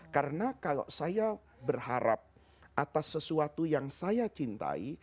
karena kalau saya berharap atas sesuatu yang saya cintai